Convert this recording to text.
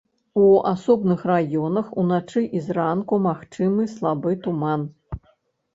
У асобных раёнах уначы і зранку магчымы слабы туман.